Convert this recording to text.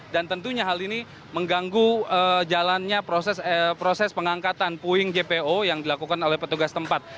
tentunya hal ini mengganggu jalannya proses pengangkatan puing jpo yang dilakukan oleh petugas tempat